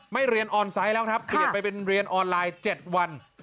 เรียนออนไซต์แล้วครับเปลี่ยนไปเป็นเรียนออนไลน์๗วัน